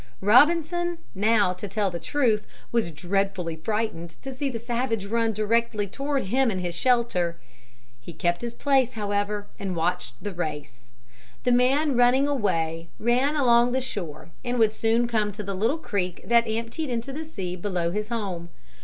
Robinson now to tell the truth was dreadfully frightened to see the savage run directly toward him and his shelter. He kept his place, however, and watched the race. The man running away ran along the shore and would soon come to the little creek that emptied into the sea below his home.